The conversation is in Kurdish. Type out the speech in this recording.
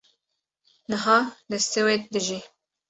niha li Swêd dijî